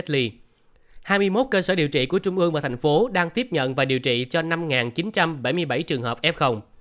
hai mươi một cơ sở điều trị của trung ương và thành phố đang tiếp nhận và điều trị cho năm chín trăm bảy mươi bảy trường hợp f